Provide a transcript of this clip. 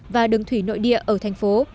và đường thủy nội địa ở thành phố